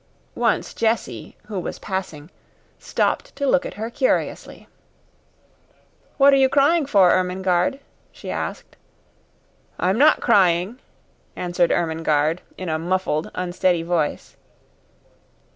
Once Jessie, who was passing, stopped to look at her curiously. "What are you crying for, Ermengarde?" she asked. "I'm not crying," answered Ermengarde, in a muffled, unsteady voice.